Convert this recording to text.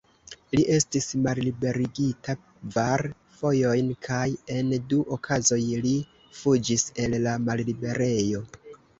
Li estis malliberigita kvar fojojn kaj, en du okazoj, li fuĝis el la malliberejo.